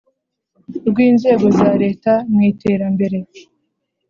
rw inzego za Leta mu iterambere